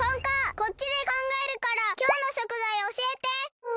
こっちでかんがえるからきょうの食材おしえて！